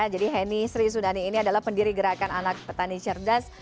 jadi henny sri sudhani ini adalah pendiri gerakan anak petani cerdas